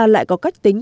lại có cách tính